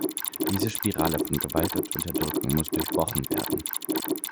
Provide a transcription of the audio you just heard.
Diese Spirale von Gewalt und Unterdrückung muss durchbrochen werden.